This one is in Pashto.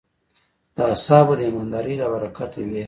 د اصحابو د ایماندارۍ له برکته وې.